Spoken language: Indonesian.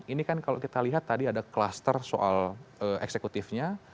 ini kan kalau kita lihat tadi ada kluster soal eksekutifnya